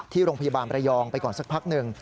ที่โรงพยาบาลประยองไปก่อนสักพักหนึ่ง